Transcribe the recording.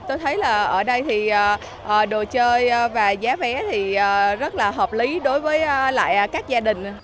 tôi thấy là ở đây thì đồ chơi và giá vé thì rất là hợp lý đối với lại các gia đình